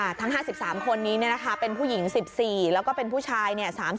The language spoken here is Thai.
ใช่ค่ะทั้ง๕๓คนนี้นะคะเป็นผู้หญิง๑๔แล้วก็เป็นผู้ชาย๓๙